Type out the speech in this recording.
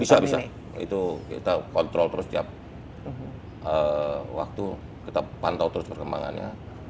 bisa bisa itu kita kontrol terus setiap waktu kita pantau terus perkembangannya